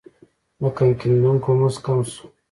د کان کیندونکو مزد کم شو.